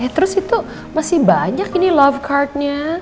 terus itu masih banyak ini love cardnya